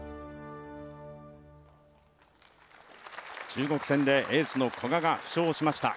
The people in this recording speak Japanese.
中国戦でエースの古賀が負傷しました。